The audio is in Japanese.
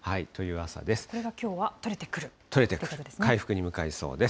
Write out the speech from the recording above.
これがきょうは取れてくると取れてくる、回復に向かいそうです。